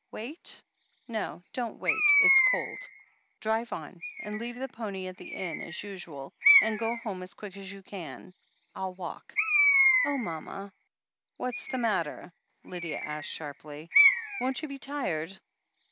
"Wait ? No. Don't wait — it's cold. Drive on, and leave the pony at the inn, as usual, and go home as quick as you can. Til walk." "Oh, mama !" "What's the matter?" Lydia asked sharply. 'Won't you be tired?"